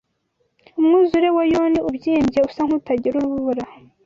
Umwuzure wa Yoni ubyimbye usa nkutagira urubura